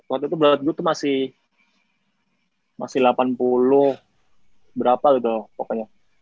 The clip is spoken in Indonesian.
waktu itu berat gue tuh masih delapan puluh berapa gitu loh pokoknya